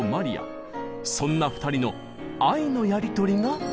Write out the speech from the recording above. そんな２人の愛のやり取りがこちら！